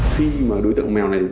khi mà đối tượng mèo này